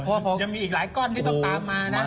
ยังมีอีกหลายก้อนที่ต้องตามมานะ